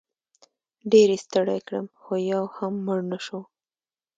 ډېر یې ستړی کړم خو یو هم مړ نه شو.